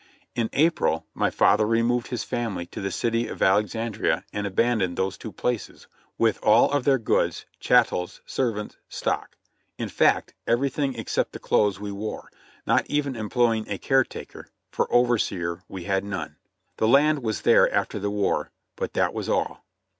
In April my father removed his family to the city of Alexandria and abandoned these two places, with all of their goods, chattels, ser vants, stock, — in fact everything except the clothes we wore, not even employing a care taker, for overseer we had none. The land was there after the war, but that was all.